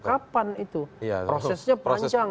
kapan itu prosesnya panjang